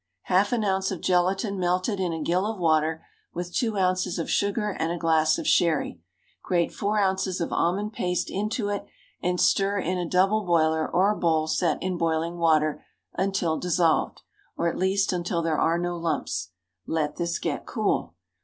_ Half an ounce of gelatine melted in a gill of water with two ounces of sugar and a glass of sherry; grate four ounces of almond paste into it, and stir in a double boiler or bowl set in boiling water until dissolved, or at least until there are no lumps. Let this get cool.